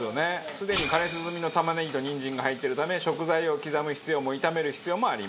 すでに加熱済みの玉ねぎとにんじんが入っているため食材を刻む必要も炒める必要もありません。